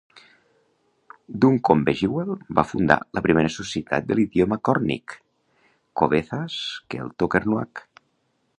Duncombe-Jewell va fundar la primera societat de l'idioma còrnic, "Cowethas Kelto-Kernuak".